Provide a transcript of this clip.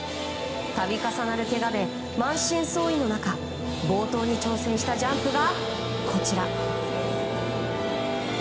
度重なるけがで、満身創痍の中冒頭に挑戦したジャンプが。